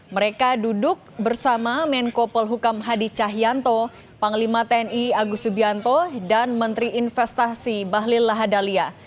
mereka duduk bersama menko polhukam hadi cahyanto panglima tni agus subianto dan menteri investasi bahlil lahadalia